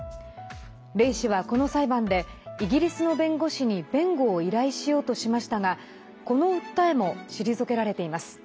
黎氏は、この裁判でイギリスの弁護士に弁護を依頼しようとしましたがこの訴えも退けられています。